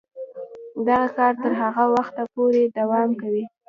دغه کار تر هغه وخته پورې دوام کوي.